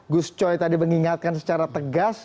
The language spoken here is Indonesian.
gus coy tadi mengingatkan secara tegas